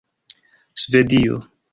svedio